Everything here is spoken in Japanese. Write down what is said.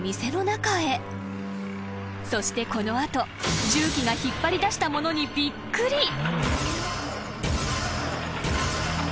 ［そしてこの後重機が引っ張り出したものにびっくり］